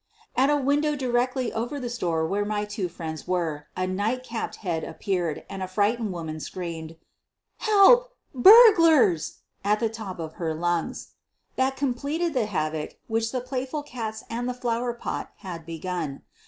At a window directly over the store where my two friends were a night capped head appeared and a frightened woman screamed, "Help! Burglars !" at the top of her lungs. That completed the havoc which the playful oats and the flower pot had begun.